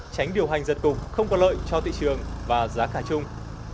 tránh điều hành giật cục không có lợi cho thị trường và giá cả chung